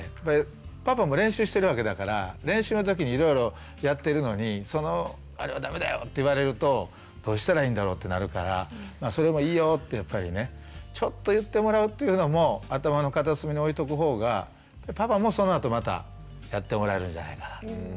パパも練習してるわけだから練習の時にいろいろやってるのにそのあれは駄目だよって言われるとどうしたらいいんだろう？ってなるから「それもいいよ」ってやっぱりねちょっと言ってもらうっていうのも頭の片隅に置いとくほうがパパもそのあとまたやってもらえるんじゃないかな。